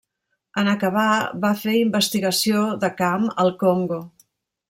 En acabar, va fer investigació de camp al Congo.